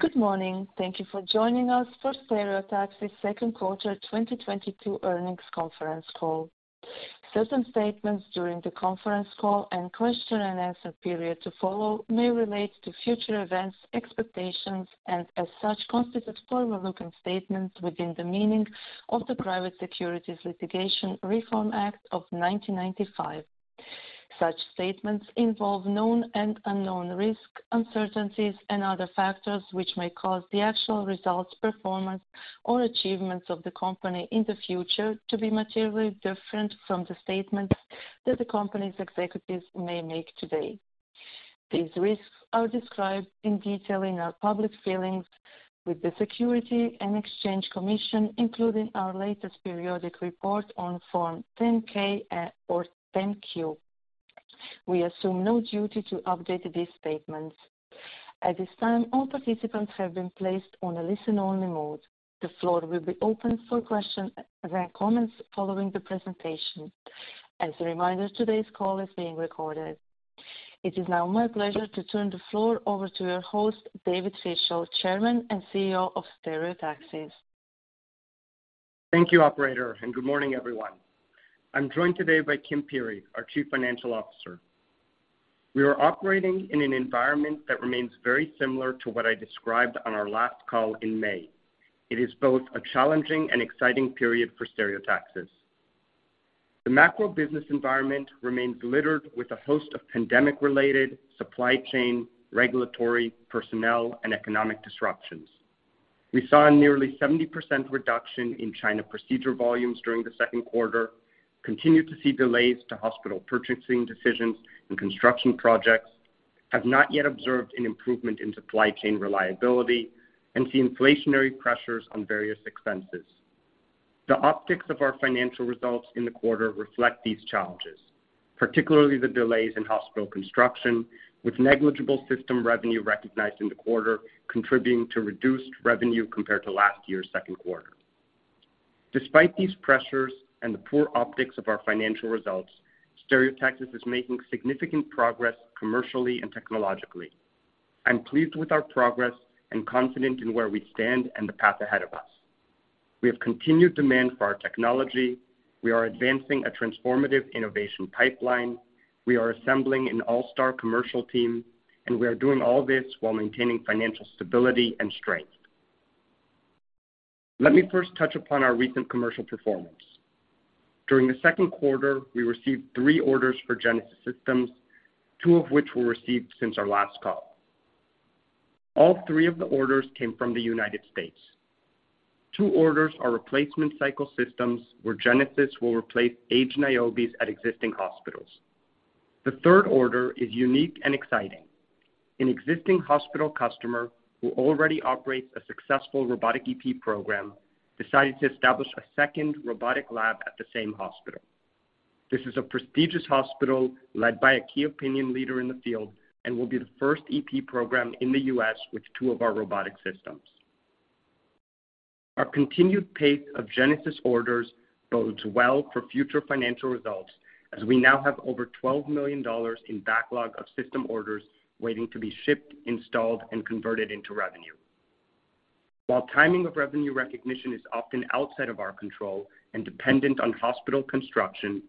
Good morning. Thank you for joining us for Stereotaxis second quarter 2022 earnings conference call. Certain statements during the conference call and question-and-answer period to follow may relate to future events, expectations, and as such, constitute forward-looking statements within the meaning of the Private Securities Litigation Reform Act of 1995. Such statements involve known and unknown risks, uncertainties and other factors which may cause the actual results, performance or achievements of the Company in the future to be materially different from the statements that the Company's executives may make today. These risks are described in detail in our public filings with the Securities and Exchange Commission, including our latest periodic report on Form 10-K or 10-Q. We assume no duty to update these statements. At this time, all participants have been placed on a listen-only mode. The floor will be opened for questions and comments following the presentation. As a reminder, today's call is being recorded. It is now my pleasure to turn the floor over to your host, David Fischel, Chairman and CEO of Stereotaxis. Thank you operator, and good morning, everyone. I'm joined today by Kim Peery, our Chief Financial Officer. We are operating in an environment that remains very similar to what I described on our last call in May. It is both a challenging and exciting period for Stereotaxis. The macro business environment remains littered with a host of pandemic-related supply chain, regulatory, personnel and economic disruptions. We saw a nearly 70% reduction in China procedure volumes during the second quarter, continued to see delays to hospital purchasing decisions and construction projects, have not yet observed an improvement in supply chain reliability and see inflationary pressures on various expenses. The optics of our financial results in the quarter reflect these challenges, particularly the delays in hospital construction, with negligible system revenue recognized in the quarter contributing to reduced revenue compared to last year's second quarter. Despite these pressures and the poor optics of our financial results, Stereotaxis is making significant progress commercially and technologically. I'm pleased with our progress and confident in where we stand and the path ahead of us. We have continued demand for our technology. We are advancing a transformative innovation pipeline. We are assembling an all-star commercial team, and we are doing all this while maintaining financial stability and strength. Let me first touch upon our recent commercial performance. During the second quarter, we received three orders for Genesis systems, two of which were received since our last call. All three of the orders came from the United States. Two orders are replacement cycle systems where Genesis will replace aged Niobes at existing hospitals. The third order is unique and exciting. An existing hospital customer who already operates a successful robotic EP program decided to establish a second robotic lab at the same hospital. This is a prestigious hospital led by a key opinion leader in the field and will be the first EP program in the U.S. with two of our robotic systems. Our continued pace of Genesis orders bodes well for future financial results as we now have over $12 million in backlog of system orders waiting to be shipped, installed and converted into revenue. While timing of revenue recognition is often outside of our control and dependent on hospital construction,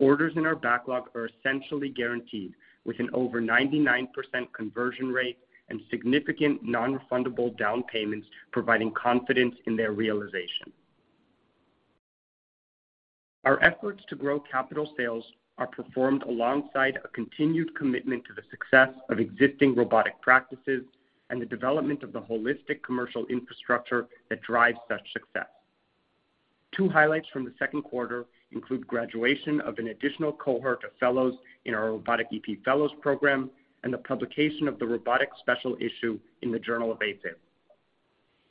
orders in our backlog are essentially guaranteed with an over 99% conversion rate and significant non-refundable down payments providing confidence in their realization. Our efforts to grow capital sales are performed alongside a continued commitment to the success of existing robotic practices and the development of the holistic commercial infrastructure that drives such success. Two highlights from the second quarter include graduation of an additional cohort of fellows in our robotic EP fellows program, and the publication of the robotic special issue in the Journal of AFib.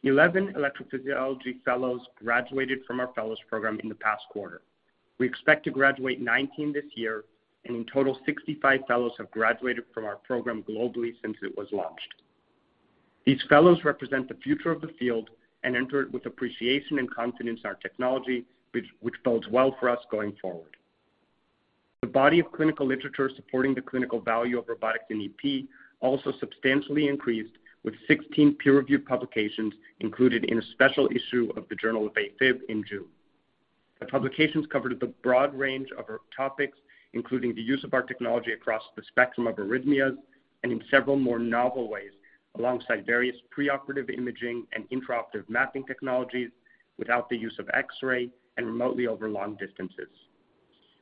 11 electrophysiology fellows graduated from our fellows program in the past quarter. We expect to graduate 19 this year, and in total, 65 fellows have graduated from our program globally since it was launched. These fellows represent the future of the field and enter it with appreciation and confidence in our technology, which bodes well for us going forward. The body of clinical literature supporting the clinical value of robotics in EP also substantially increased, with 16 peer-reviewed publications included in a special issue of the Journal of AFib in June. The publications covered the broad range of our topics, including the use of our technology across the spectrum of arrhythmias and in several more novel ways, alongside various preoperative imaging and intraoperative mapping technologies without the use of X-ray and remotely over long distances.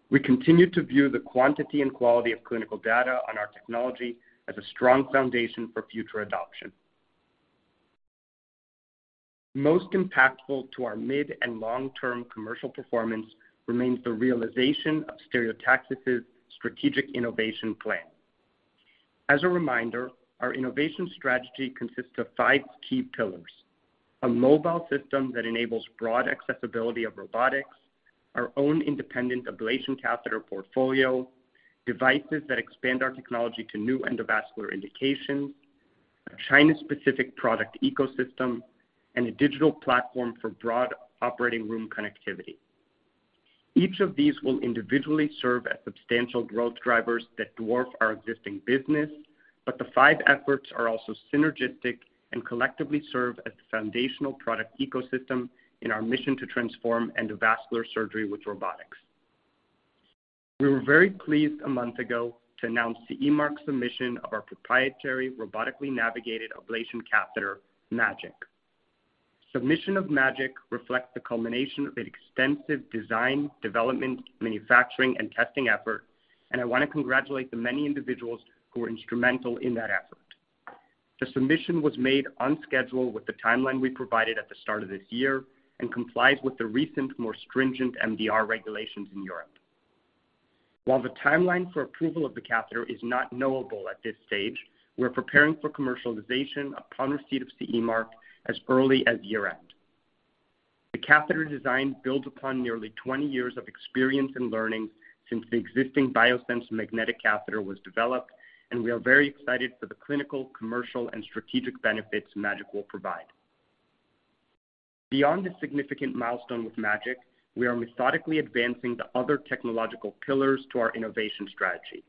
We continue to view the quantity and quality of clinical data on our technology as a strong foundation for future adoption. Most impactful to our mid and long-term commercial performance remains the realization of Stereotaxis' strategic innovation plan. As a reminder, our innovation strategy consists of five key pillars. A mobile system that enables broad accessibility of robotics. Our own independent ablation catheter portfolio. Devices that expand our technology to new endovascular indications. A China-specific product ecosystem. A digital platform for broad operating room connectivity. Each of these will individually serve as substantial growth drivers that dwarf our existing business, but the five efforts are also synergistic and collectively serve as the foundational product ecosystem in our mission to transform endovascular surgery with robotics. We were very pleased a month ago to announce the CE Mark submission of our proprietary robotically navigated ablation catheter, MAGiC. Submission of MAGiC reflects the culmination of an extensive design, development, manufacturing, and testing effort, and I want to congratulate the many individuals who were instrumental in that effort. The submission was made on schedule with the timeline we provided at the start of this year and complies with the recent more stringent MDR regulations in Europe. While the timeline for approval of the catheter is not knowable at this stage, we're preparing for commercialization upon receipt of CE Mark as early as year-end. The catheter design builds upon nearly 20 years of experience and learning since the existing Biosense Webster magnetic catheter was developed, and we are very excited for the clinical, commercial, and strategic benefits MAGiC will provide. Beyond this significant milestone with MAGiC, we are methodically advancing the other technological pillars to our innovation strategy.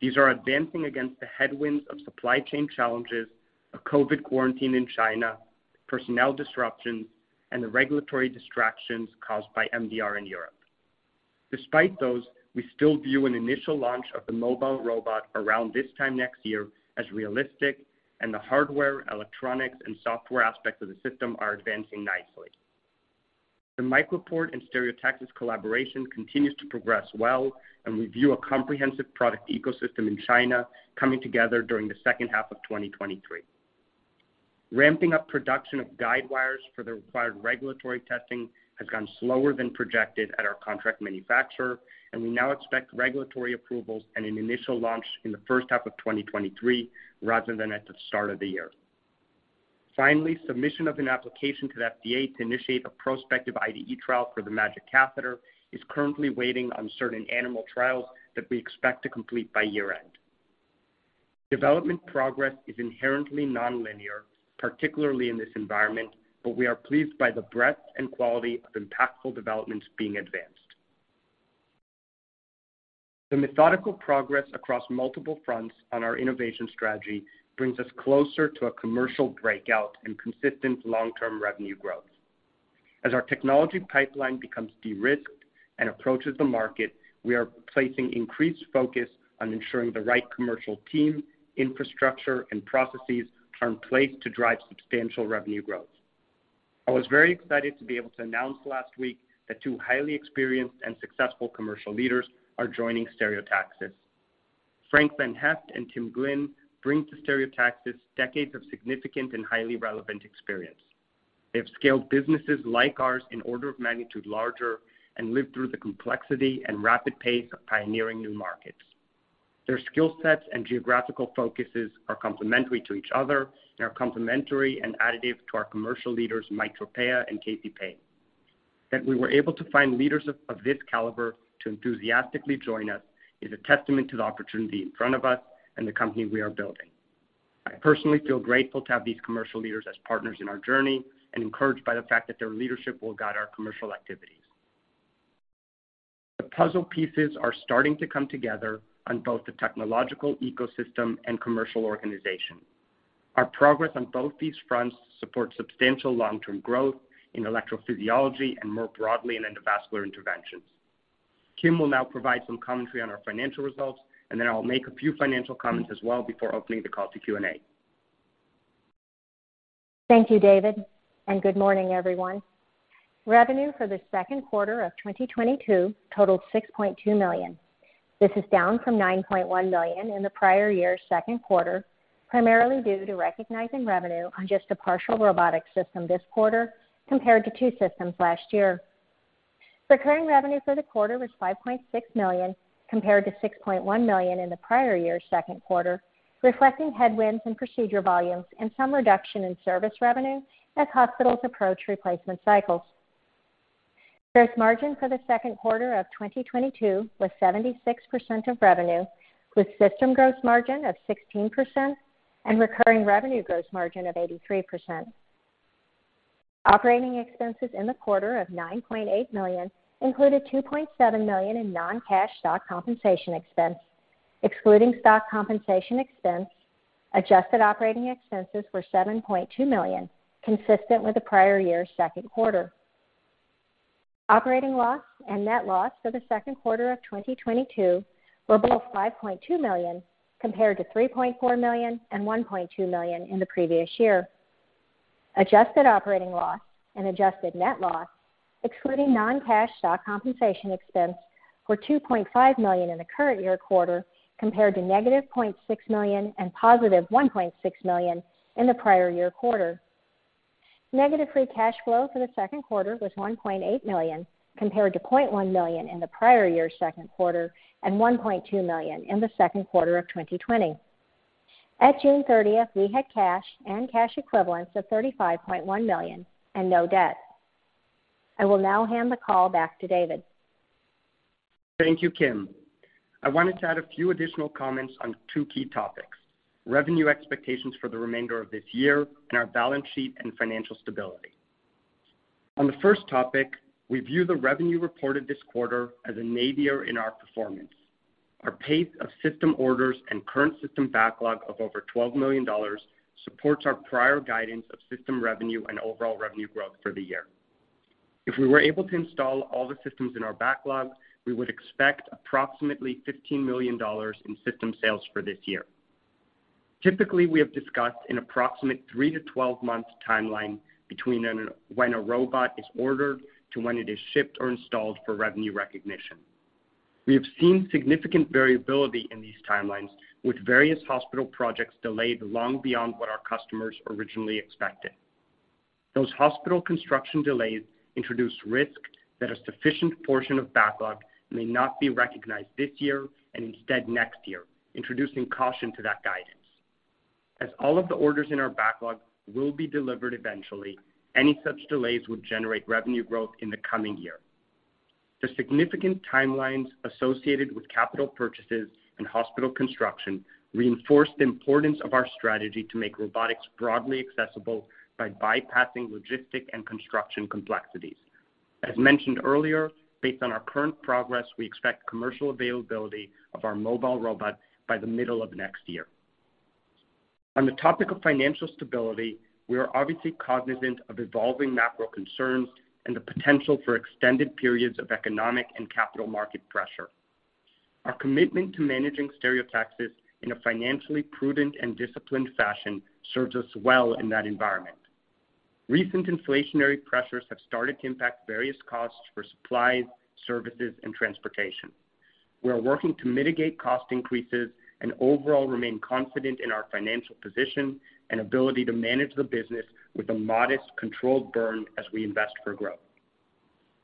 These are advancing against the headwinds of supply chain challenges, a COVID quarantine in China, personnel disruptions, and the regulatory distractions caused by MDR in Europe. Despite those, we still view an initial launch of the mobile robot around this time next year as realistic and the hardware, electronics, and software aspects of the system are advancing nicely. The MicroPort and Stereotaxis collaboration continues to progress well, and we view a comprehensive product ecosystem in China coming together during the second half of 2023. Ramping up production of guide wires for the required regulatory testing has gone slower than projected at our contract manufacturer, and we now expect regulatory approvals and an initial launch in the first half of 2023 rather than at the start of the year. Finally, submission of an application to the FDA to initiate a prospective IDE trial for the MAGiC catheter is currently waiting on certain animal trials that we expect to complete by year-end. Development progress is inherently nonlinear, particularly in this environment, but we are pleased by the breadth and quality of impactful developments being advanced. The methodical progress across multiple fronts on our innovation strategy brings us closer to a commercial breakout and consistent long-term revenue growth. As our technology pipeline becomes de-risked and approaches the market, we are placing increased focus on ensuring the right commercial team, infrastructure, and processes are in place to drive substantial revenue growth. I was very excited to be able to announce last week that two highly experienced and successful commercial leaders are joining Stereotaxis. Frank Van Hyfte and Tim Glynn bring to Stereotaxis decades of significant and highly relevant experience. They have scaled businesses like ours in order of magnitude larger and lived through the complexity and rapid pace of pioneering new markets. Their skill sets and geographical focuses are complementary to each other and are complementary and additive to our commercial leaders, Mike Tropea and Casey Payne. That we were able to find leaders of this caliber to enthusiastically join us is a testament to the opportunity in front of us and the company we are building. I personally feel grateful to have these commercial leaders as partners in our journey and encouraged by the fact that their leadership will guide our commercial activities. The puzzle pieces are starting to come together on both the technological ecosystem and commercial organization. Our progress on both these fronts support substantial long-term growth in electrophysiology and more broadly in endovascular interventions. Kim will now provide some commentary on our financial results, and then I'll make a few financial comments as well before opening the call to Q&A. Thank you, David, and good morning, everyone. Revenue for the second quarter of 2022 totaled $6.2 million. This is down from $9.1 million in the prior year's second quarter, primarily due to recognizing revenue on just a partial robotic system this quarter compared to two systems last year. Recurring revenue for the quarter was $5.6 million compared to $6.1 million in the prior year's second quarter, reflecting headwinds in procedure volumes and some reduction in service revenue as hospitals approach replacement cycles. Gross margin for the second quarter of 2022 was 76% of revenue, with system gross margin of 16% and recurring revenue gross margin of 83%. Operating expenses in the quarter of $9.8 million included $2.7 million in non-cash stock compensation expense. Excluding stock compensation expense, adjusted operating expenses were $7.2 million, consistent with the prior year's second quarter. Operating loss and net loss for the second quarter of 2022 were both $5.2 million, compared to $3.4 million and $1.2 million in the previous year. Adjusted operating loss and adjusted net loss, excluding non-cash stock compensation expense, were $2.5 million in the current year quarter, compared to -$0.6 million and +$1.6 million in the prior year quarter. Negative free cash flow for the second quarter was $1.8 million, compared to $0.1 million in the prior year's second quarter and $1.2 million in the second quarter of 2020. At June 30, we had cash and cash equivalents of $35.1 million and no debt. I will now hand the call back to David. Thank you, Kim. I wanted to add a few additional comments on two key topics, revenue expectations for the remainder of this year and our balance sheet and financial stability. On the first topic, we view the revenue reported this quarter as a nadir in our performance. Our pace of system orders and current system backlog of over $12 million supports our prior guidance of system revenue and overall revenue growth for the year. If we were able to install all the systems in our backlog, we would expect approximately $15 million in system sales for this year. Typically, we have discussed an approximate three- to 12-month timeline between when a robot is ordered to when it is shipped or installed for revenue recognition. We have seen significant variability in these timelines, with various hospital projects delayed long beyond what our customers originally expected. Those hospital construction delays introduce risk that a sufficient portion of backlog may not be recognized this year and instead next year, introducing caution to that guidance. As all of the orders in our backlog will be delivered eventually, any such delays would generate revenue growth in the coming year. The significant timelines associated with capital purchases and hospital construction reinforce the importance of our strategy to make robotics broadly accessible by bypassing logistic and construction complexities. As mentioned earlier, based on our current progress, we expect commercial availability of our mobile robot by the middle of next year. On the topic of financial stability, we are obviously cognizant of evolving macro concerns and the potential for extended periods of economic and capital market pressure. Our commitment to managing Stereotaxis in a financially prudent and disciplined fashion serves us well in that environment. Recent inflationary pressures have started to impact various costs for supplies, services, and transportation. We are working to mitigate cost increases and overall remain confident in our financial position and ability to manage the business with a modest controlled burn as we invest for growth.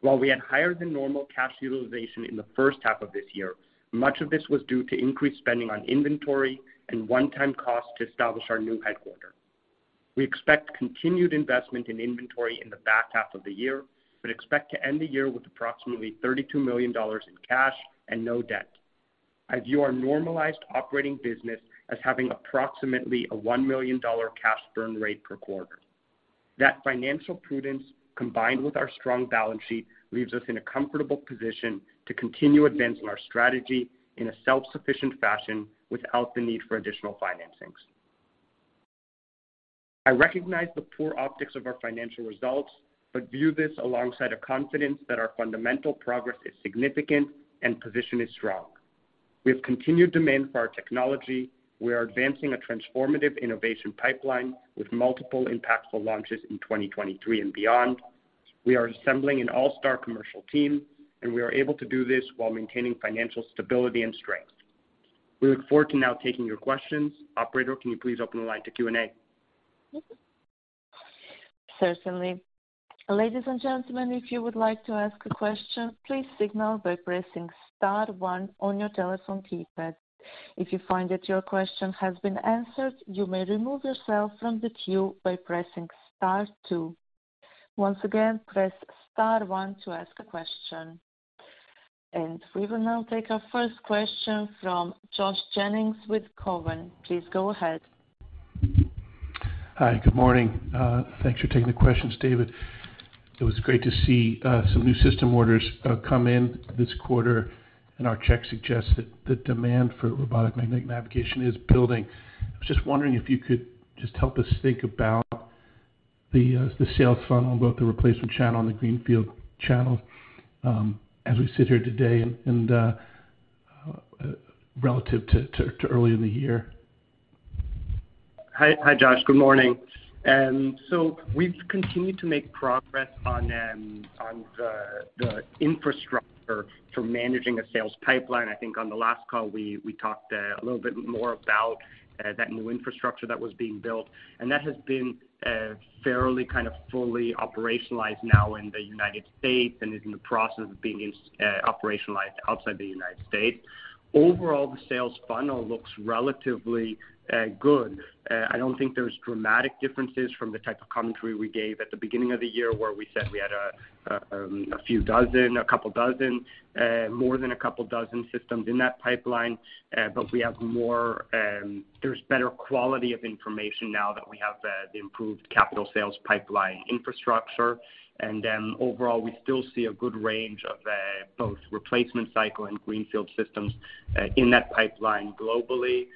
While we had higher than normal cash utilization in the first half of this year, much of this was due to increased spending on inventory and one-time cost to establish our new headquarters. We expect continued investment in inventory in the back half of the year, but expect to end the year with approximately $32 million in cash and no debt. I view our normalized operating business as having approximately a $1 million cash burn rate per quarter. That financial prudence, combined with our strong balance sheet, leaves us in a comfortable position to continue advancing our strategy in a self-sufficient fashion without the need for additional financings. I recognize the poor optics of our financial results, but view this alongside a confidence that our fundamental progress is significant and position is strong. We have continued demand for our technology. We are advancing a transformative innovation pipeline with multiple impactful launches in 2023 and beyond. We are assembling an all-star commercial team, and we are able to do this while maintaining financial stability and strength. We look forward to now taking your questions. Operator, can you please open the line to Q&A? Certainly. Ladies and gentlemen, if you would like to ask a question, please signal by pressing star one on your telephone keypad. If you find that your question has been answered, you may remove yourself from the queue by pressing star two. Once again, press star one to ask a question. We will now take our first question from Josh Jennings with Cowen. Please go ahead. Hi. Good morning. Thanks for taking the questions, David. It was great to see some new system orders come in this quarter, and our check suggests that the demand for robotic magnetic navigation is building. I was just wondering if you could just help us think about the sales funnel and both the replacement channel and the greenfield channel, as we sit here today and relative to early in the year. Hi, Josh. Good morning. We've continued to make progress on the infrastructure for managing a sales pipeline. I think on the last call, we talked a little bit more about that new infrastructure that was being built, and that has been fairly kind of fully operationalized now in the United States and is in the process of being operationalized outside the United States. Overall, the sales funnel looks relatively good. I don't think there's dramatic differences from the type of commentary we gave at the beginning of the year where we said we had a few dozen, a couple dozen, more than a couple dozen systems in that pipeline. We have more, there's better quality of information now that we have the improved capital sales pipeline infrastructure. Overall, we still see a good range of both replacement cycle and greenfield systems in that pipeline globally.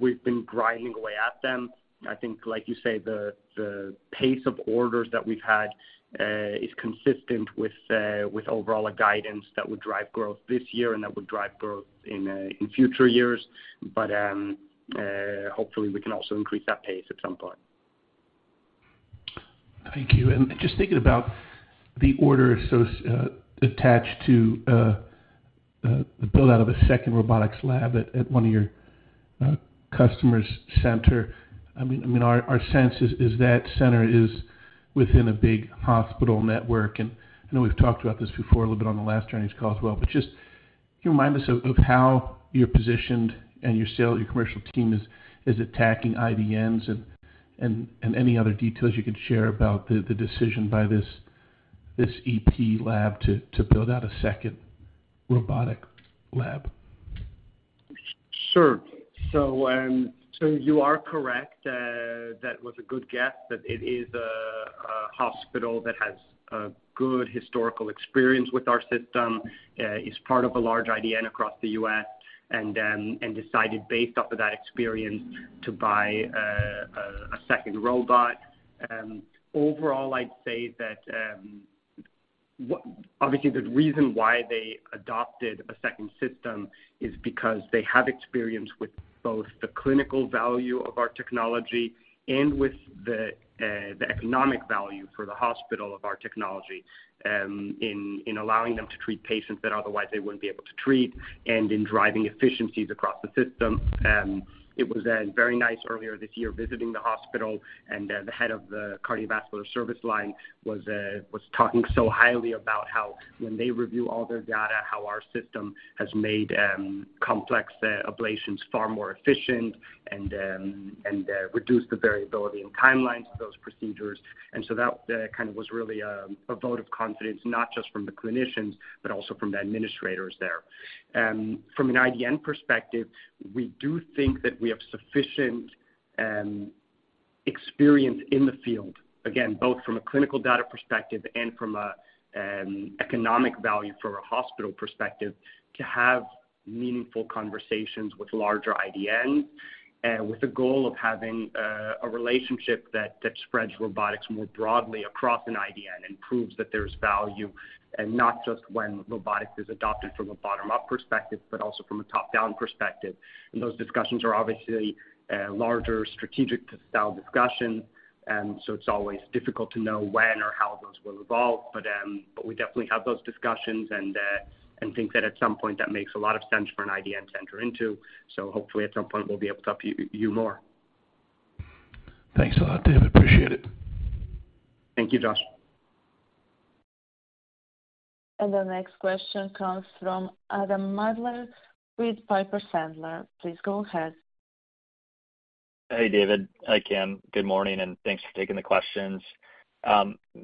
We've been grinding away at them. I think like you say, the pace of orders that we've had is consistent with overall a guidance that would drive growth this year and that would drive growth in future years. Hopefully we can also increase that pace at some point. Thank you. Just thinking about the orders so attached to the build-out of a second robotics lab at one of your customer's center. I mean, our sense is that center is within a big hospital network. I know we've talked about this before a little bit on the last earnings call as well. Just, can you remind us of how you're positioned and your commercial team is attacking IDNs and any other details you could share about the decision by this EP lab to build out a second robotic lab? Sure. You are correct. That was a good guess that it is a hospital that has good historical experience with our system, is part of a large IDN across the U.S., and decided based off of that experience to buy a second robot. Overall, I'd say that obviously, the reason why they adopted a second system is because they have experience with both the clinical value of our technology and with the economic value for the hospital of our technology, in allowing them to treat patients that otherwise they wouldn't be able to treat, and in driving efficiencies across the system. It was very nice earlier this year visiting the hospital, and the head of the cardiovascular service line was talking so highly about how when they review all their data, how our system has made complex ablations far more efficient and reduced the variability and timelines of those procedures. That kind of was really a vote of confidence, not just from the clinicians, but also from the administrators there. From an IDN perspective, we do think that we have sufficient experience in the field, again, both from a clinical data perspective and from an economic value for a hospital perspective, to have meaningful conversations with larger IDNs, with the goal of having a relationship that spreads robotics more broadly across an IDN and proves that there's value, and not just when robotics is adopted from a bottom-up perspective but also from a top-down perspective. Those discussions are obviously a larger strategic style discussion. It's always difficult to know when or how those will evolve. We definitely have those discussions and think that at some point that makes a lot of sense for an IDN to enter into. Hopefully at some point we'll be able to update you more. Thanks a lot, David. Appreciate it. Thank you, Josh. The next question comes from Adam Maeder with Piper Sandler. Please go ahead. Hey, David. Hi, Kim. Good morning, and thanks for taking the questions.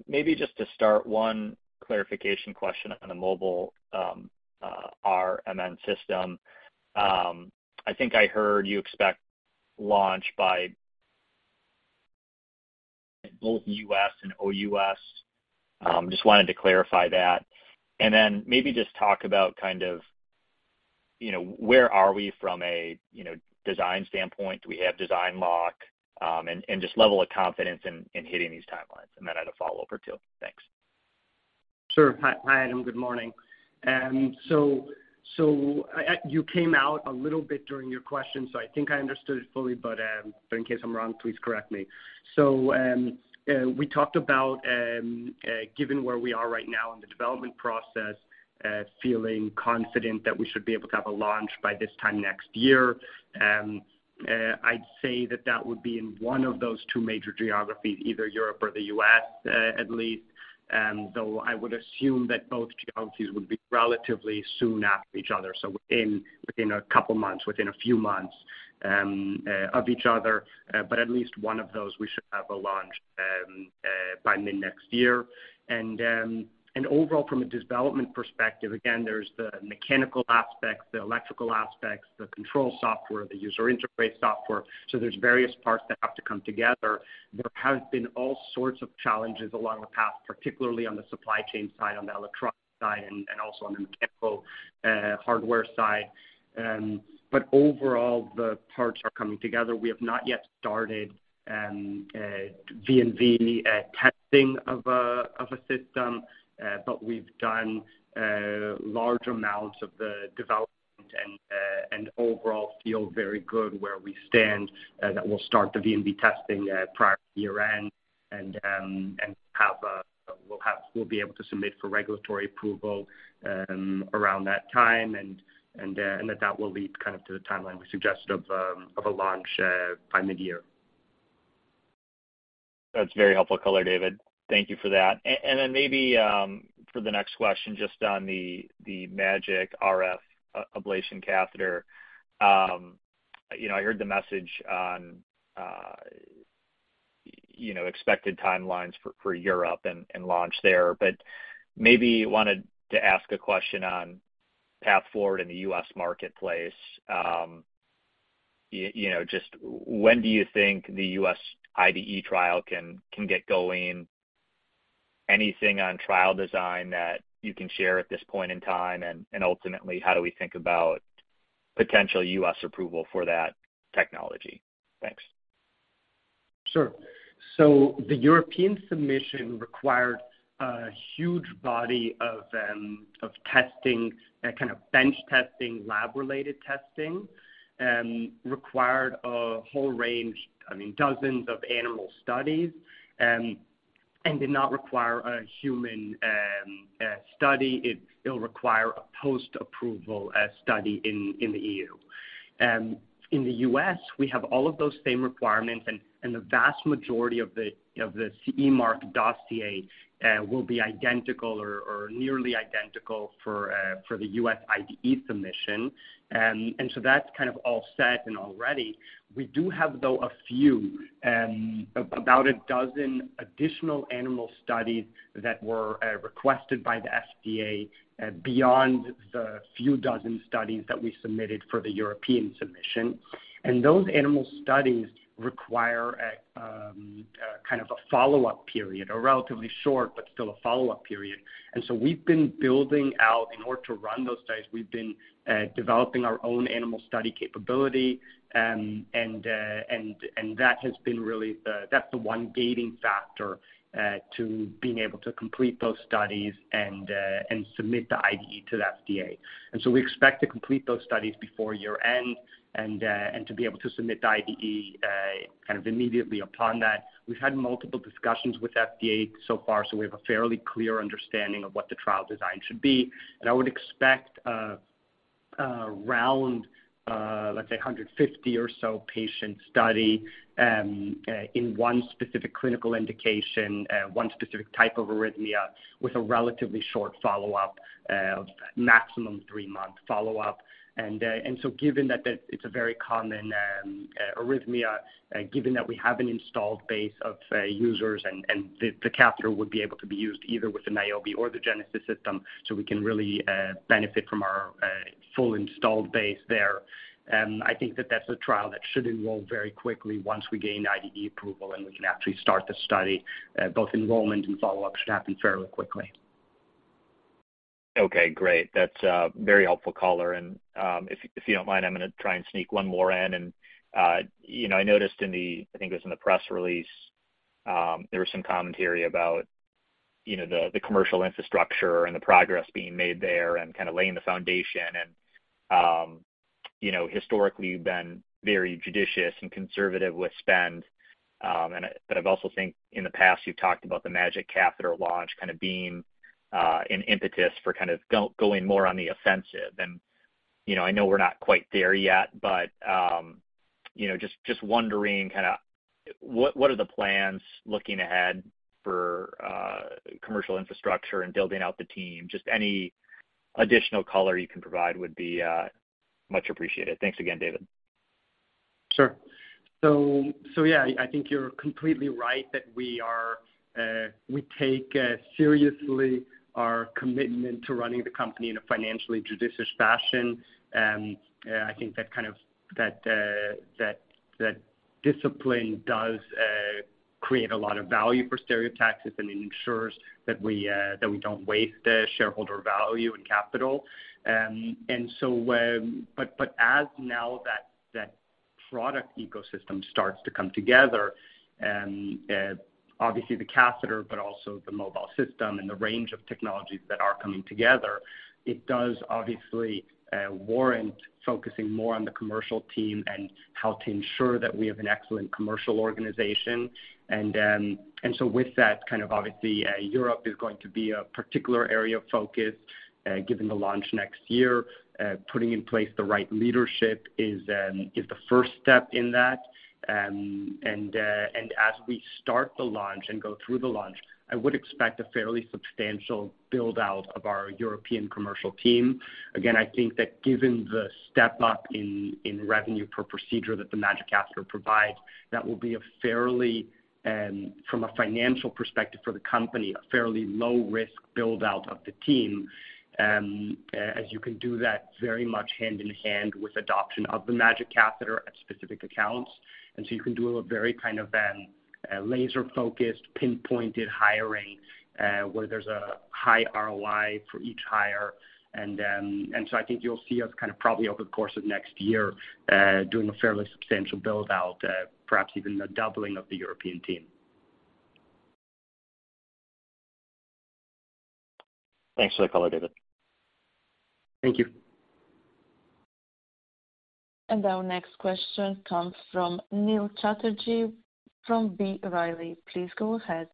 Maybe just to start, one clarification question on the mobile RMN system. I think I heard you expect launch by both U.S. and O.U.S.. Just wanted to clarify that. Then maybe just talk about kind of, you know, where are we from a, you know, design standpoint. Do we have design lock, and just level of confidence in hitting these timelines. Then I had a follow-up or two. Thanks. Sure. Hi, Adam. Good morning. You came out a little bit during your question, so I think I understood it fully, but in case I'm wrong, please correct me. We talked about, given where we are right now in the development process, feeling confident that we should be able to have a launch by this time next year. I'd say that would be in one of those two major geographies, either Europe or the U.S., at least. Though I would assume that both geographies would be relatively soon after each other, within a couple months, within a few months, of each other. At least one of those, we should have a launch by mid-next year. Overall, from a development perspective, again, there's the mechanical aspects, the electrical aspects, the control software, the user interface software. There's various parts that have to come together. There have been all sorts of challenges along the path, particularly on the supply chain side, on the electronics side, and also on the mechanical hardware side. Overall, the parts are coming together. We have not yet started V&V testing of a system, but we've done large amounts of the development and overall feel very good where we stand that we'll start the V&V testing prior to year-end and have a. We'll be able to submit for regulatory approval around that time, and that will lead kind of to the timeline we suggested of a launch by mid-year. That's very helpful color, David. Thank you for that. Maybe for the next question, just on the MAGiC RF ablation catheter. You know, I heard the message on you know, expected timelines for Europe and launch there. Maybe wanted to ask a question on path forward in the U.S. marketplace. You know, just when do you think the U.S. IDE trial can get going? Anything on trial design that you can share at this point in time? Ultimately, how do we think about potential U.S. approval for that technology? Thanks. Sure. The European submission required a huge body of testing, kind of bench testing, lab-related testing, required a whole range, I mean, dozens of animal studies, and did not require a human study. It'll require a post-approval study in the EU In the U.S., we have all of those same requirements, and the vast majority of the CE Mark dossier will be identical or nearly identical for the U.S. IDE submission. That's kind of all set and all ready. We do have, though, a few, about a dozen additional animal studies that were requested by the FDA beyond the few dozen studies that we submitted for the European submission. Those animal studies require a kind of a follow-up period, a relatively short but still a follow-up period. We've been building out. In order to run those studies, we've been developing our own animal study capability. That's the one gating factor to being able to complete those studies and submit the IDE to the FDA. We expect to complete those studies before year-end and to be able to submit the IDE kind of immediately upon that. We've had multiple discussions with FDA so far, so we have a fairly clear understanding of what the trial design should be. I would expect around, let's say 150 or so patient study in one specific clinical indication, one specific type of arrhythmia with a relatively short follow-up, maximum three-month follow-up. Given that it's a very common arrhythmia, given that we have an installed base of users and the catheter would be able to be used either with the Niobe or the Genesis system, we can really benefit from our full installed base there. I think that that's a trial that should enroll very quickly once we gain IDE approval, and we can actually start the study. Both enrollment and follow-up should happen fairly quickly. Okay, great. That's very helpful color. If you don't mind, I'm gonna try and sneak one more in. You know, I noticed. I think it was in the press release, there was some commentary about, you know, the commercial infrastructure and the progress being made there and kind of laying the foundation. You know, historically, you've been very judicious and conservative with spend. But I also think in the past you've talked about the MAGiC Catheter launch kind of being an impetus for kind of going more on the offensive. You know, I know we're not quite there yet. You know, just wondering kind of what are the plans looking ahead for commercial infrastructure and building out the team? Just any additional color you can provide would be much appreciated. Thanks again, David. Sure. So yeah, I think you're completely right that we take seriously our commitment to running the company in a financially judicious fashion. I think that kind of discipline does create a lot of value for Stereotaxis, and it ensures that we don't waste the shareholder value and capital. But now that product ecosystem starts to come together, obviously the catheter but also the mobile system and the range of technologies that are coming together, it does obviously warrant focusing more on the commercial team and how to ensure that we have an excellent commercial organization. With that kind of obviously, Europe is going to be a particular area of focus, given the launch next year. Putting in place the right leadership is the first step in that. As we start the launch and go through the launch, I would expect a fairly substantial build-out of our European commercial team. Again, I think that given the step-up in revenue per procedure that the MAGiC Catheter provides, that will be a fairly, from a financial perspective for the company, a fairly low-risk build-out of the team. As you can do that very much hand in hand with adoption of the MAGiC Catheter at specific accounts. You can do a very kind of laser-focused, pinpointed hiring where there's a high ROI for each hire. I think you'll see us kind of probably over the course of next year, doing a fairly substantial build-out, perhaps even a doubling of the European team. Thanks for the color, David. Thank you. Our next question comes from Neil Chatterjee from B. Riley. Please go ahead.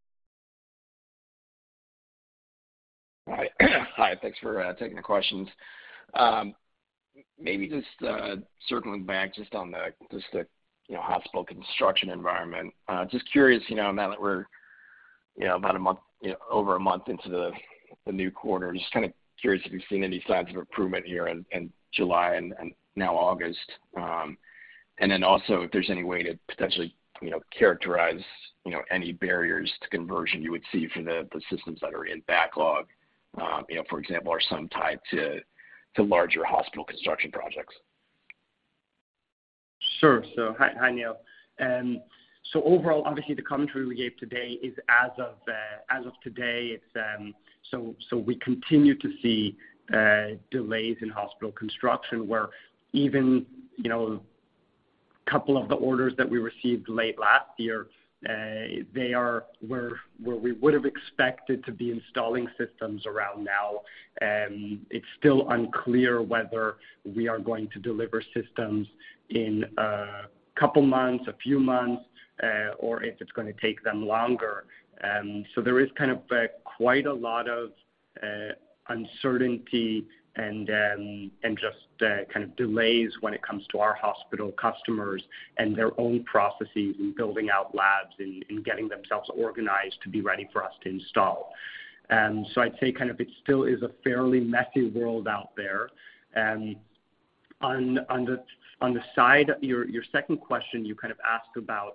Hi, thanks for taking the questions. Maybe just circling back just on the hospital construction environment. Just curious, you know, now that we're, you know, about a month, you know, over a month into the new quarter, just kind of curious if you've seen any signs of improvement here in July and now August. Also, if there's any way to potentially, you know, characterize, you know, any barriers to conversion you would see for the systems that are in backlog, you know, for example, are some tied to larger hospital construction projects? Sure. Hi, Neil. Overall, obviously the commentary we gave today is as of today. It's we continue to see delays in hospital construction where even, you know, couple of the orders that we received late last year, they are where we would've expected to be installing systems around now. It's still unclear whether we are going to deliver systems in a couple months, a few months, or if it's gonna take them longer. There is kind of quite a lot of uncertainty and just kind of delays when it comes to our hospital customers and their own processes in building out labs and getting themselves organized to be ready for us to install. I'd say kind of it still is a fairly messy world out there. On the side, your second question you kind of asked about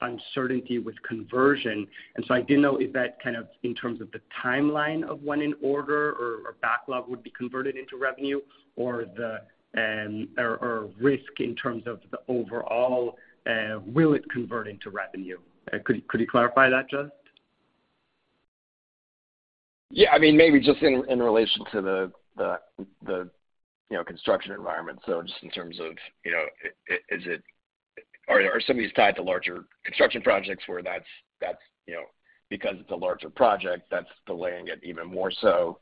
uncertainty with conversion. I didn't know if that kind of in terms of the timeline of when an order or backlog would be converted into revenue or the risk in terms of the overall, will it convert into revenue? Could you clarify that, Neil? Yeah. I mean, maybe just in relation to the you know, construction environment. Just in terms of, you know, is it? Are some of these tied to larger construction projects where that's, you know, because it's a larger project that's delaying it even more so,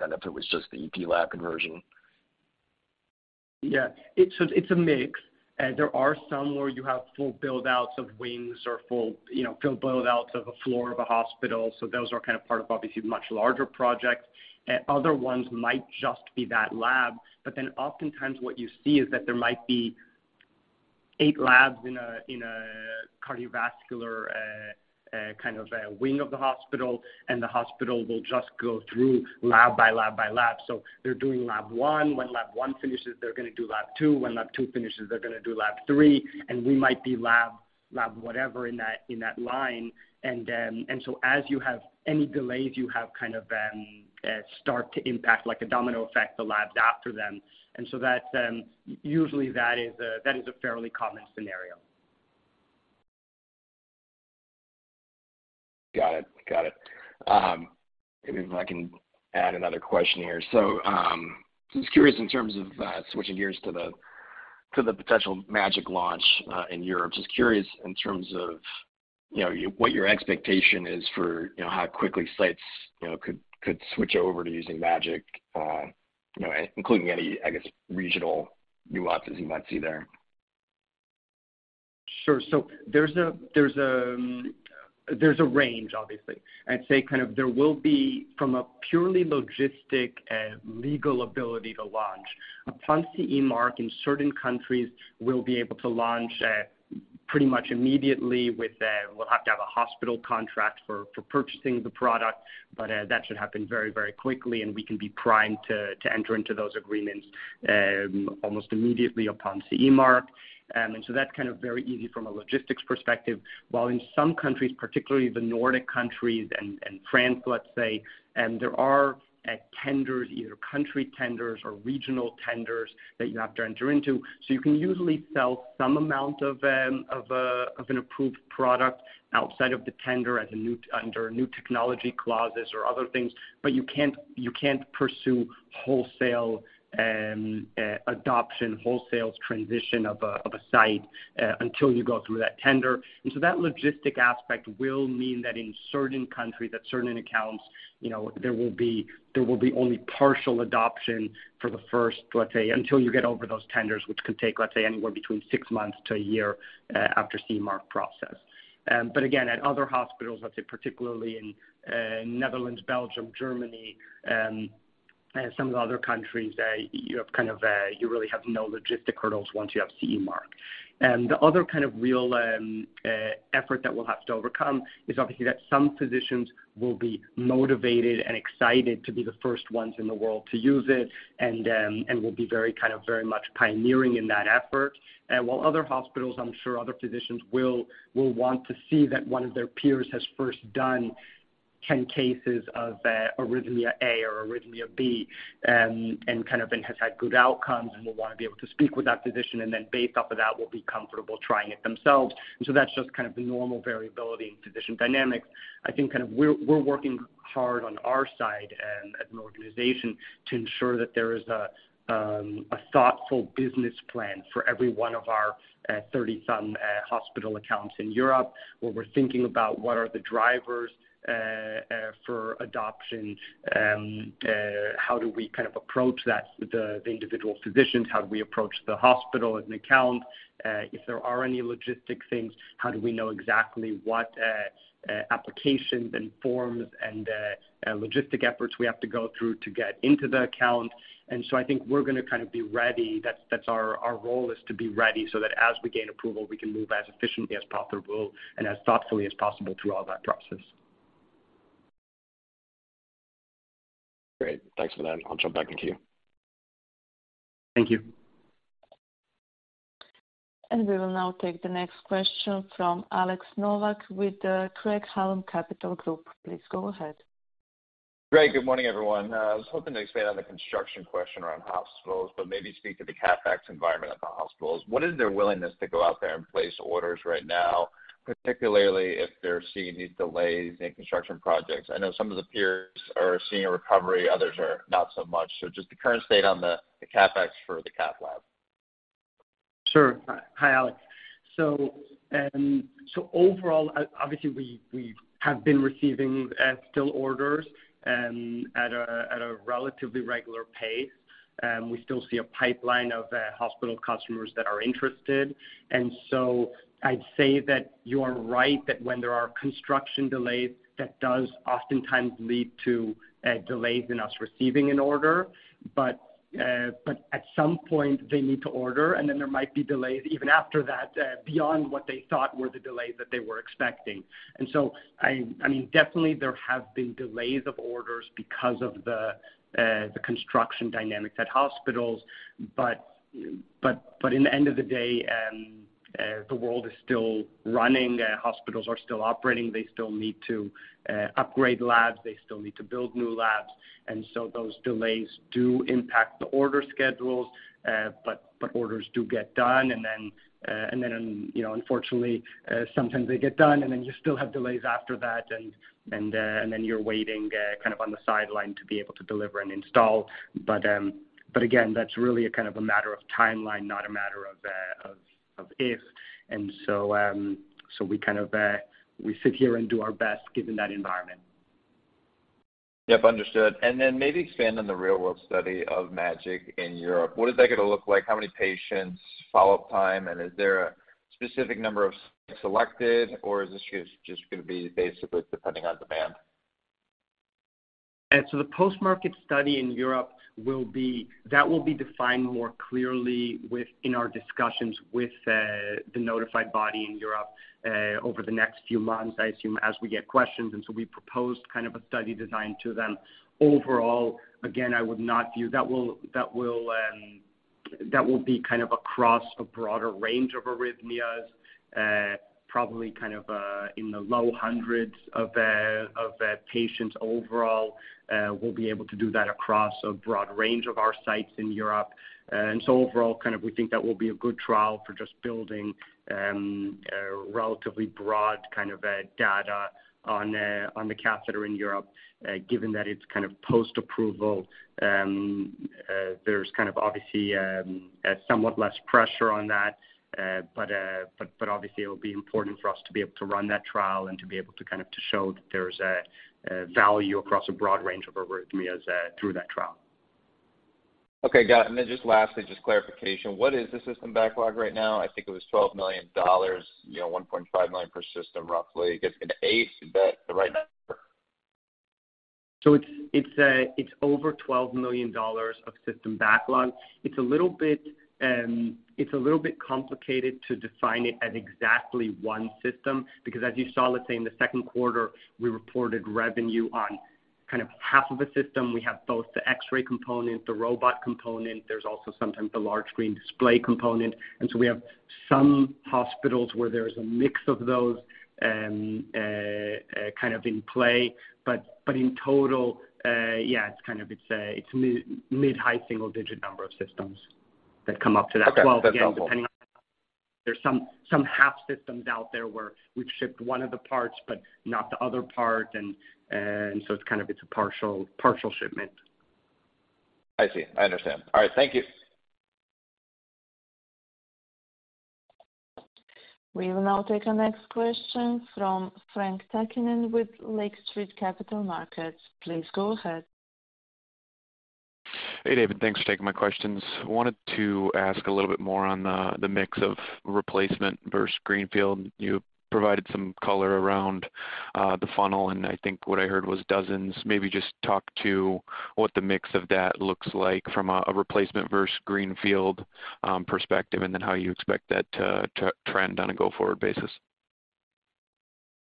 than if it was just the EP lab conversion? Yeah. It's a mix. There are some where you have full build-outs of wings or, you know, full build-outs of a floor of a hospital, so those are kind of part of obviously much larger project. Other ones might just be that lab, but then oftentimes what you see is that there might be eight labs in a cardiovascular kind of a wing of the hospital, and the hospital will just go through lab by lab. They're doing lab one. When lab one finishes, they're gonna do lab two. When lab two finishes, they're gonna do lab three, and we might be lab whatever in that line. As you have any delays, you have kind of start to impact like a domino effect, the labs after them. That usually is a fairly common scenario. Got it. Maybe if I can add another question here. Just curious in terms of switching gears to the potential MAGiC launch in Europe. Just curious in terms of, you know, what your expectation is for, you know, how quickly sites, you know, could switch over to using MAGiC, you know, including any, I guess, regional nuances you might see there. There's a range obviously. I'd say kind of there will be from a purely logistical legal ability to launch. Upon CE Mark in certain countries will be able to launch pretty much immediately with we'll have to have a hospital contract for purchasing the product, but that should happen very, very quickly, and we can be primed to enter into those agreements almost immediately upon CE Mark. That's kind of very easy from a logistics perspective. While in some countries, particularly the Nordic countries and France, let's say, there are tenders, either country tenders or regional tenders that you have to enter into. You can usually sell some amount of an approved product outside of the tender under new technology clauses or other things, but you can't pursue wholesale adoption, wholesale transition of a site until you go through that tender. That logistical aspect will mean that in certain countries, certain accounts, you know, there will be only partial adoption for the first, let's say, until you get over those tenders, which could take, let's say, anywhere between six months to a year after CE Mark process. But again, at other hospitals, let's say particularly in Netherlands, Belgium, Germany, and some of the other countries, you really have no logistical hurdles once you have CE Mark. The other kind of real effort that we'll have to overcome is obviously that some physicians will be motivated and excited to be the first ones in the world to use it and will be very, kind of, very much pioneering in that effort. While other hospitals, I'm sure other physicians will want to see that one of their peers has first done 10 cases of arrhythmia A or arrhythmia B and kind of has had good outcomes and will wanna be able to speak with that physician, and then based off of that, will be comfortable trying it themselves. That's just kind of the normal variability in physician dynamics. I think kind of we're working hard on our side, as an organization to ensure that there is a thoughtful business plan for every one of our 30-some hospital accounts in Europe, where we're thinking about what are the drivers for adoption. How do we kind of approach that with the individual physicians? How do we approach the hospital as an account? If there are any logistic things, how do we know exactly what applications and forms and logistic efforts we have to go through to get into the account? I think we're gonna kind of be ready. That's our role is to be ready so that as we gain approval, we can move as efficiently as possible and as thoughtfully as possible through all that process. Great. Thanks for that. I'll jump back in queue. Thank you. We will now take the next question from Alex Nowak with the Craig-Hallum Capital Group. Please go ahead. Great. Good morning, everyone. I was hoping to expand on the construction question around hospitals, but maybe speak to the CapEx environment at the hospitals. What is their willingness to go out there and place orders right now, particularly if they're seeing these delays in construction projects? I know some of the peers are seeing a recovery, others are not so much. Just the current state on the CapEx for the cath lab. Sure. Hi, Alex. Overall, obviously, we have been receiving still orders at a relatively regular pace. We still see a pipeline of hospital customers that are interested. I'd say that you are right, that when there are construction delays, that does oftentimes lead to delays in us receiving an order. But at some point they need to order, and then there might be delays even after that beyond what they thought were the delays that they were expecting. I mean, definitely there have been delays of orders because of the construction dynamics at hospitals. But at the end of the day, the world is still running, hospitals are still operating. They still need to upgrade labs, they still need to build new labs. Those delays do impact the order schedules. Orders do get done. You know, unfortunately, sometimes they get done, and then you still have delays after that. You're waiting kind of on the sideline to be able to deliver and install. Again, that's really a kind of a matter of timeline, not a matter of if. So, we kind of sit here and do our best given that environment. Yep, understood. Maybe expand on the real-world study of MAGiC in Europe. What is that gonna look like? How many patients, follow-up time, and is there a specific number of selected or is this just gonna be basically depending on demand? The post-market study in Europe will be defined more clearly within our discussions with the notified body in Europe over the next few months, I assume, as we get questions. We proposed kind of a study design to them. Overall, again, I would not view that will be kind of across a broader range of arrhythmias, probably kind of, in the low hundreds of patients overall. We'll be able to do that across a broad range of our sites in Europe. Overall, kind of we think that will be a good trial for just building a relatively broad kind of data on the catheter in Europe. Given that it's kind of post-approval, there's kind of obviously a somewhat less pressure on that. Obviously, it will be important for us to be able to run that trial and to be able to kind of show that there's a value across a broad range of arrhythmias through that trial. Okay, got it. Just lastly, just clarification. What is the system backlog right now? I think it was $12 million, you know, $1.5 million per system, roughly. Is it $8 million? Is that the right number? It's over $12 million of system backlog. It's a little bit complicated to define it as exactly one system, because as you saw, let's say in the second quarter, we reported revenue on kind of half of a system. We have both the X-ray component, the robot component. There's also sometimes the large screen display component. We have some hospitals where there's a mix of those, kind of in play. But in total, yeah, it's kind of a mid-high single digit number of systems that come up to that 12. Okay. That's helpful. There's some half systems out there where we've shipped one of the parts but not the other part. It's kind of a partial shipment. I see. I understand. All right, thank you. We will now take our next question from Frank Takkinen with Lake Street Capital Markets. Please go ahead. Hey, David. Thanks for taking my questions. I wanted to ask a little bit more on the mix of replacement versus greenfield. You provided some color around the funnel, and I think what I heard was dozens. Maybe just talk to what the mix of that looks like from a replacement versus greenfield perspective, and then how you expect that to trend on a go-forward basis.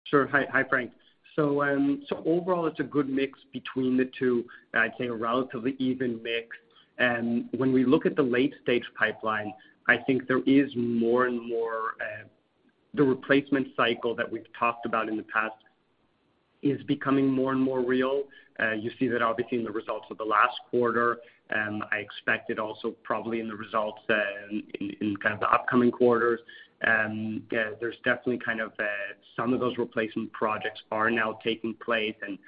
Sure. Hi, Frank. Overall, it's a good mix between the two, and I'd say a relatively even mix. When we look at the late-stage pipeline, I think there is more and more the replacement cycle that we've talked about in the past is becoming more and more real. You see that obviously in the results of the last quarter. I expect it also probably in the results in kind of the upcoming quarters. Yeah, there's definitely kind of some of those replacement projects are now taking place and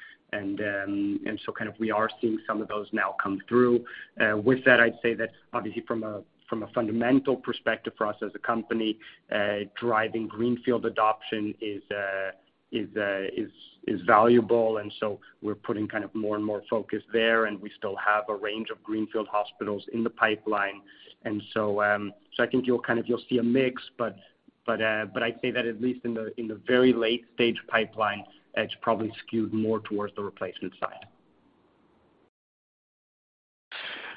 so kind of we are seeing some of those now come through. With that, I'd say that obviously from a fundamental perspective for us as a company, driving greenfield adoption is valuable. We're putting kind of more and more focus there, and we still have a range of greenfield hospitals in the pipeline. I think you'll kind of, you'll see a mix, but I'd say that at least in the very late-stage pipeline, it's probably skewed more towards the replacement side.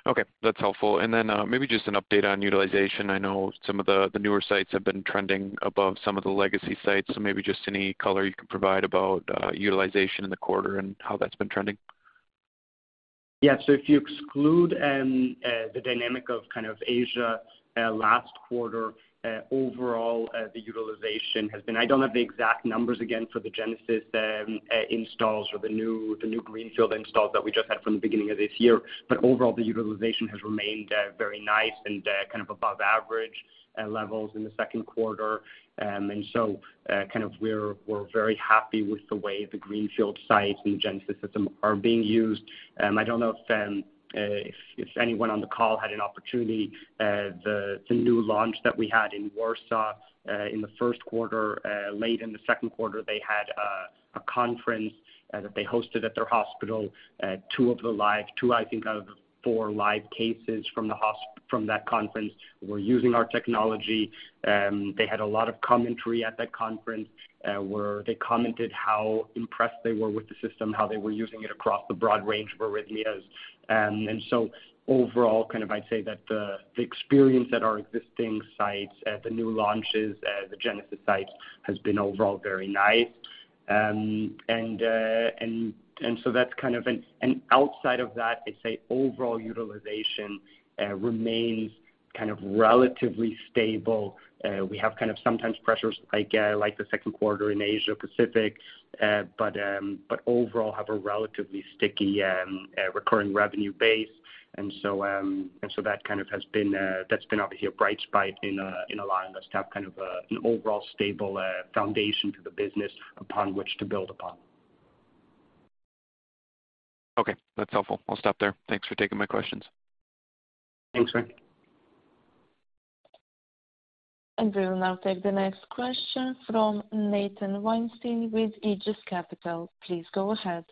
Okay, that's helpful. Maybe just an update on utilization. I know some of the newer sites have been trending above some of the legacy sites. Maybe just any color you can provide about utilization in the quarter and how that's been trending. Yeah. If you exclude the dynamic of kind of Asia last quarter, overall, the utilization has been. I don't have the exact numbers again for the Genesis installs or the new greenfield installs that we just had from the beginning of this year. Overall, the utilization has remained very nice and kind of above average levels in the second quarter. We're very happy with the way the greenfield sites and Genesis system are being used. I don't know if anyone on the call had an opportunity. The new launch that we had in Warsaw in the first quarter. Late in the second quarter, they had a conference that they hosted at their hospital. Two, I think, out of four live cases from that conference were using our technology. They had a lot of commentary at that conference, where they commented how impressed they were with the system, how they were using it across a broad range of arrhythmias. Overall, kind of I'd say that the experience at our existing sites, at the new launches, the Genesis sites has been overall very nice. Outside of that, I'd say overall utilization remains kind of relatively stable. We have kind of sometimes pressures like the second quarter in Asia Pacific. Overall have a relatively sticky recurring revenue base. That's been obviously a bright spot in Align. That's kind of an overall stable foundation to the business upon which to build upon. Okay. That's helpful. I'll stop there. Thanks for taking my questions. Thanks, Frank. We will now take the next question from Nathan Weinstein with Aegis Capital. Please go ahead.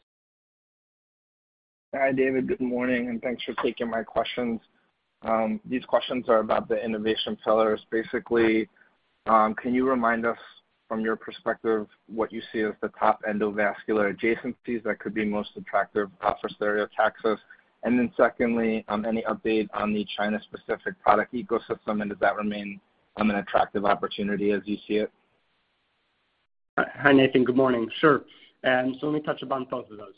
Hi, David. Good morning, and thanks for taking my questions. These questions are about the innovation pillars. Basically, can you remind us from your perspective what you see as the top endovascular adjacencies that could be most attractive for Stereotaxis? Secondly, any update on the China-specific product ecosystem, and does that remain an attractive opportunity as you see it? Hi, Nathan. Good morning. Sure. Let me touch upon both of those.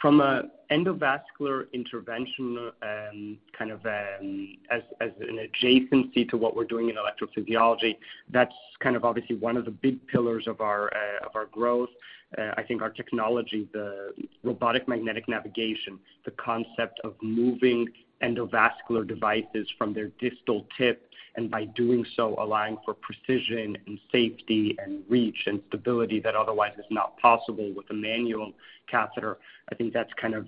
From a endovascular interventional and kind of, as an adjacency to what we're doing in electrophysiology, that's kind of obviously one of the big pillars of our growth. I think our technology, the robotic magnetic navigation, the concept of moving endovascular devices from their distal tip, and by doing so allowing for precision and safety and reach and stability that otherwise is not possible with a manual catheter. I think that's kind of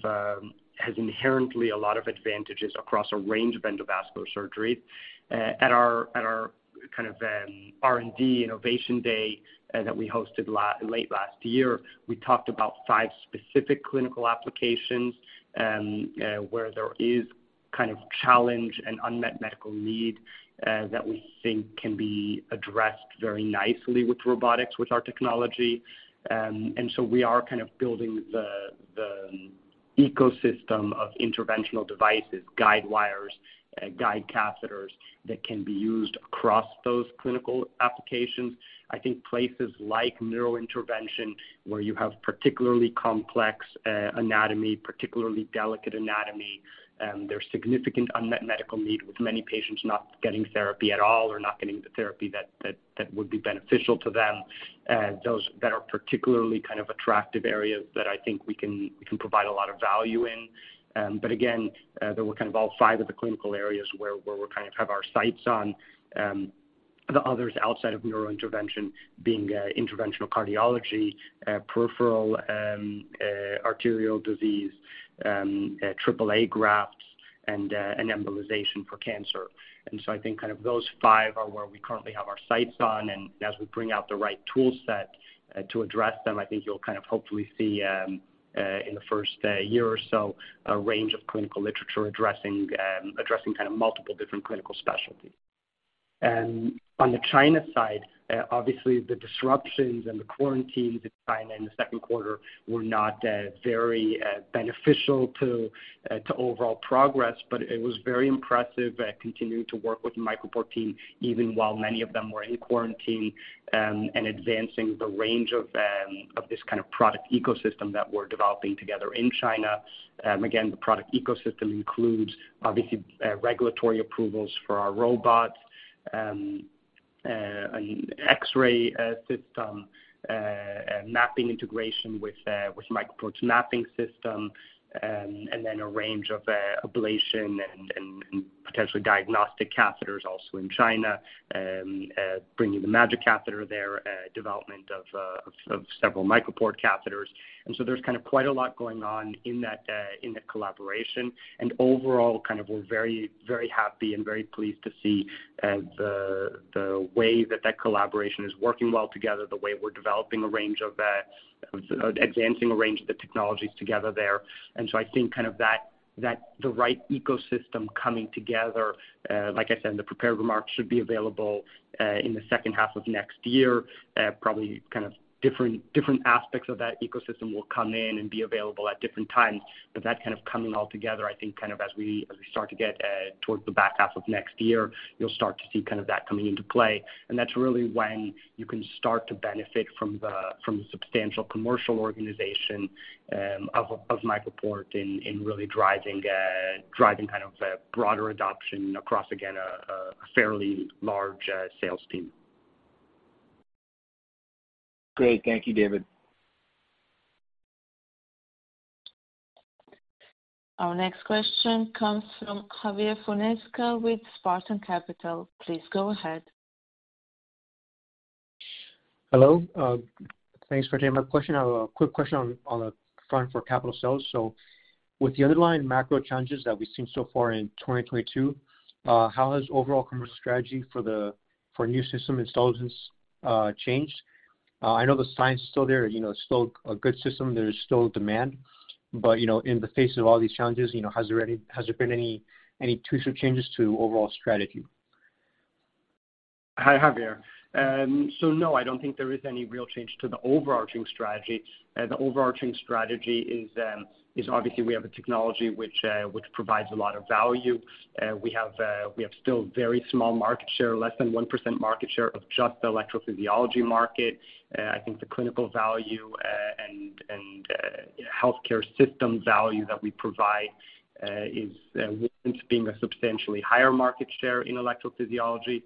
has inherently a lot of advantages across a range of endovascular surgery. At our kind of R&D innovation day that we hosted late last year, we talked about five specific clinical applications where there is kind of challenge and unmet medical need that we think can be addressed very nicely with robotics, with our technology. We are kind of building the ecosystem of interventional devices, guide wires, guide catheters that can be used across those clinical applications. I think places like neurointervention where you have particularly complex anatomy, particularly delicate anatomy, there's significant unmet medical need with many patients not getting therapy at all or not getting the therapy that would be beneficial to them. Those that are particularly kind of attractive areas that I think we can provide a lot of value in. There were kind of all five of the clinical areas where we kind of have our sights on, the others outside of neurointervention being interventional cardiology, peripheral arterial disease, AAA grafts and embolization for cancer. I think kind of those five are where we currently have our sights on, and as we bring out the right tool set to address them, I think you'll kind of hopefully see in the first year or so a range of clinical literature addressing kind of multiple different clinical specialties. On the China side, obviously the disruptions and the quarantines in China in the second quarter were not very beneficial to overall progress, but it was very impressive continuing to work with MicroPort team even while many of them were in quarantine and advancing the range of this kind of product ecosystem that we're developing together in China. Again, the product ecosystem includes obviously regulatory approvals for our robots, an X-ray system, mapping integration with MicroPort's mapping system, and then a range of ablation and potentially diagnostic catheters also in China. Bringing the MAGiC catheter there, development of several MicroPort catheters. There's kind of quite a lot going on in that collaboration. Overall, kind of we're very, very happy and very pleased to see the way that collaboration is working well together, the way we're advancing a range of the technologies together there. I think that the right ecosystem coming together, like I said in the prepared remarks, should be available in the second half of next year. Probably kind of different aspects of that ecosystem will come in and be available at different times. That's kind of coming all together I think as we start to get towards the back half of next year, you'll start to see that coming into play. That's really when you can start to benefit from the substantial commercial organization of MicroPort in really driving kind of a broader adoption across, again, a fairly large sales team. Great. Thank you, David. Our next question comes from Javier Fonseca with Spartan Capital. Please go ahead. Hello. Thanks for taking my question. I have a quick question on the front for capital sales. With the underlying macro challenges that we've seen so far in 2022, how has overall commercial strategy for new system installations changed? I know the science is still there, you know, still a good system, there is still demand. You know, in the face of all these challenges, you know, has there been any twofold changes to overall strategy? Hi, Javier. No, I don't think there is any real change to the overarching strategy. The overarching strategy is obviously we have a technology which provides a lot of value. We have still very small market share, less than 1% market share of just the electrophysiology market. I think the clinical value and healthcare system value that we provide is it's being a substantially higher market share in electrophysiology.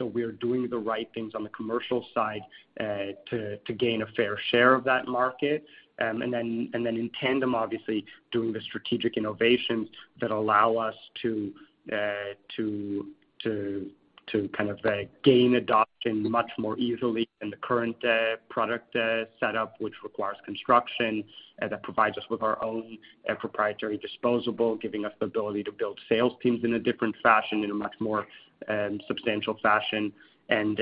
We're doing the right things on the commercial side to gain a fair share of that market. In tandem, obviously, doing the strategic innovations that allow us to kind of gain adoption much more easily than the current product setup, which requires construction that provides us with our own proprietary disposable, giving us the ability to build sales teams in a different fashion, in a much more substantial fashion and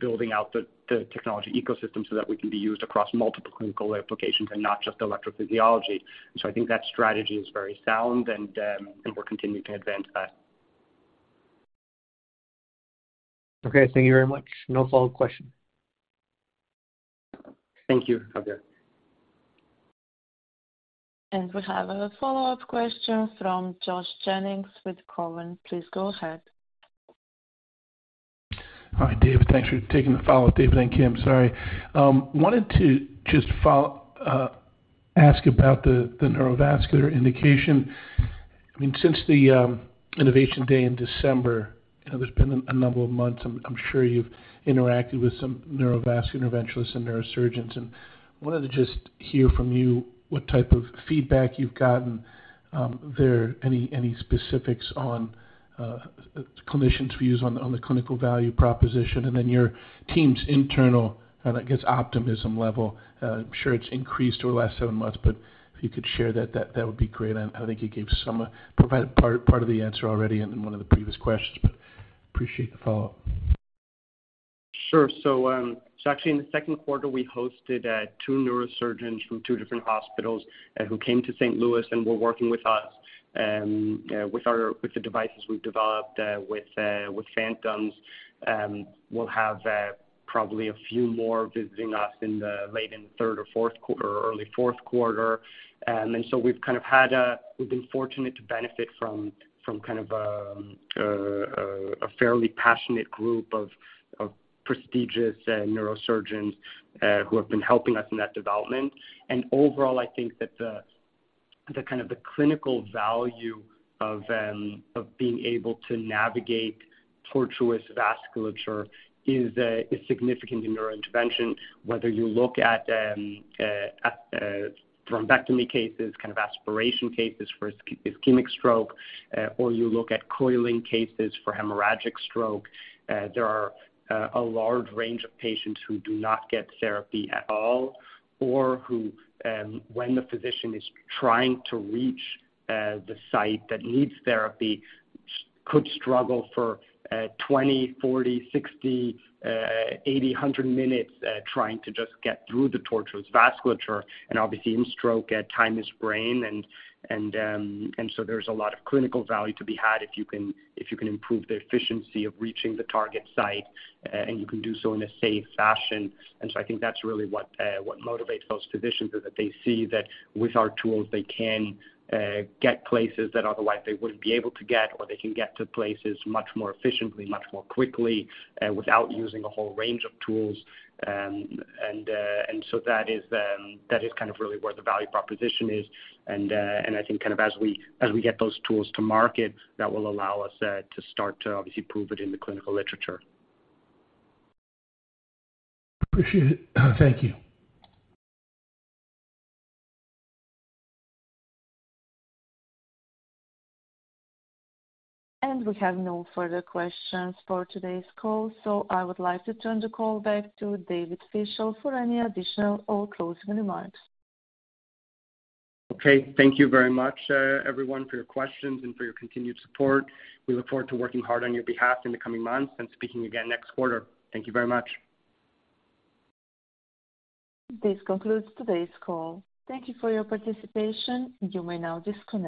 building out the technology ecosystem so that we can be used across multiple clinical applications and not just electrophysiology. I think that strategy is very sound and we're continuing to advance that. Okay. Thank you very much. No follow-up question. Thank you, Javier. We have a follow-up question from Josh Jennings with Cowen. Please go ahead. Hi, David. Thanks for taking the follow-up, David and Kim. Sorry. Wanted to just ask about the neurovascular indication. I mean, since the innovation day in December, you know, there's been a number of months. I'm sure you've interacted with some neurovascular interventionists and neurosurgeons. Wanted to just hear from you what type of feedback you've gotten there. Any specifics on clinicians' views on the clinical value proposition, and then your team's internal, I don't know, I guess, optimism level. I'm sure it's increased over the last seven months, but if you could share that would be great. I think you provided part of the answer already in one of the previous questions but appreciate the follow-up. Sure. So actually, in the second quarter, we hosted two neurosurgeons from two different hospitals who came to St. Louis and were working with us with the devices we've developed with partners. We'll have probably a few more visiting us in the late third or fourth quarter or early fourth quarter. We've been fortunate to benefit from kind of a fairly passionate group of prestigious neurosurgeons who have been helping us in that development. Overall, I think that the kind of clinical value of being able to navigate tortuous vasculature is significant in neurointervention. Whether you look at thrombectomy cases, kind of aspiration cases for ischemic stroke, or you look at coiling cases for hemorrhagic stroke, there are a large range of patients who do not get therapy at all or who, when the physician is trying to reach the site that needs therapy, could struggle for 20, 40, 60, 80, 100 minutes trying to just get through the tortuous vasculature. Obviously in stroke, time is brain. There's a lot of clinical value to be had if you can improve the efficiency of reaching the target site and you can do so in a safe fashion. I think that's really what motivates those physicians is that they see that with our tools, they can get places that otherwise they wouldn't be able to get, or they can get to places much more efficiently, much more quickly without using a whole range of tools. That is kind of really where the value proposition is. I think kind of as we get those tools to market, that will allow us to start to obviously prove it in the clinical literature. Appreciate it. Thank you. We have no further questions for today's call. I would like to turn the call back to David Fischel for any additional or closing remarks. Okay. Thank you very much, everyone, for your questions and for your continued support. We look forward to working hard on your behalf in the coming months and speaking again next quarter. Thank you very much. This concludes today's call. Thank you for your participation. You may now disconnect.